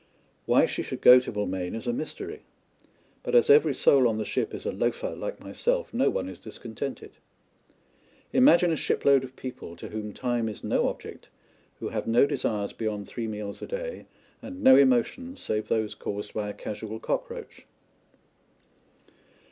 Why she should go to Moulmein is a mystery; but as every soul on the ship is a loafer like myself, no one is discontented. Imagine a shipload of people to whom time is no object, who have no desires beyond three meals a day and no emotions save those caused by a casual cockroach.